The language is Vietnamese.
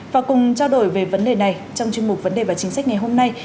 và cùng trao đổi về vấn đề này trong chuyên mục vấn đề và chính sách ngày hôm nay